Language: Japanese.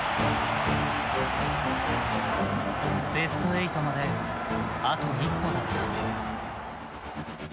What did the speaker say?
ベスト８まであと一歩だった。